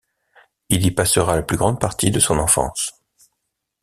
Il y passera la plus grande partie de son enfance.